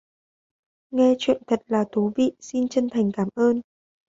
Nghe truyện thật là thú vị xin chân thành cảm ơn